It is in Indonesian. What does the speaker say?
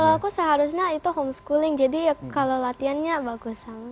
kalau aku seharusnya itu homeschooling jadi kalau latihannya bagus